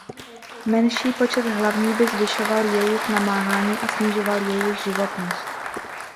Menší počet hlavní by zvyšoval jejich namáhání a snižoval jejich životnost.